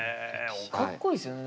かっこいいですよね